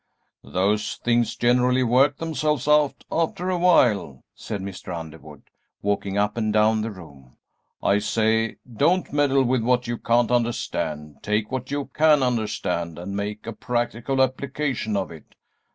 "Those things generally work themselves out after a while," said Mr. Underwood, walking up and down the room. "I say, don't meddle with what you can't understand; take what you can understand and make a practical application of it.